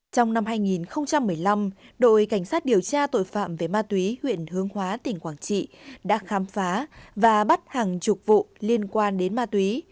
trong năm hai nghìn một mươi năm đội cảnh sát điều tra tội phạm về ma túy huyện hướng hóa tỉnh quảng trị đã khám phá và bắt hàng chục vụ liên quan đến ma túy